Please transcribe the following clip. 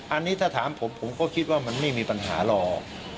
อันนี้ถ้าถามผมผมก็คิดว่ามันไม่มีปัญหาหรอก